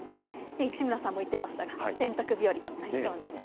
市村さんも言っていましたが洗濯日和となりそうです。